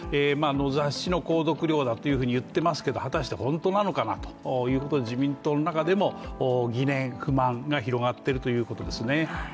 雑誌の購読料だと言っていますけれども、果たして本当のなのかなということで、自民党の中でも疑念、不満が広がっているということですね。